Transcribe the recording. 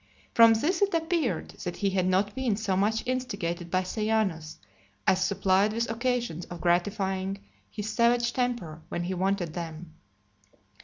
From this it appeared, that he had not been so much instigated by Sejanus, as supplied with occasions of gratifying his savage temper, when he wanted them.